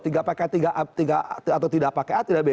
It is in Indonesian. tidak pakai a atau tidak pakai b